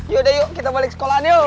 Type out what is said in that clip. yaudah yuk kita balik sekolah yo